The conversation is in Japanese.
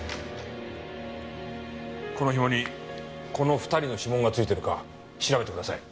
この紐にこの２人の指紋が付いてるか調べてください。